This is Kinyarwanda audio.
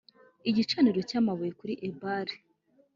Igicaniro cy amabuye kuri Ebali